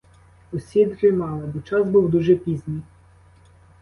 Усі дрімали, бо час був дуже пізній.